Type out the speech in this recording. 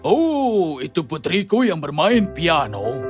oh itu putriku yang bermain piano